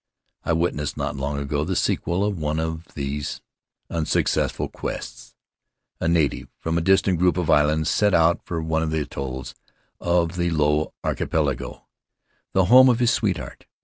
I witnessed, not long ago, the sequel of one of these unsuccessful quests. A native from a distant group of islands set out for one of the atolls of the Low Archipelago, the home of his sweetheart.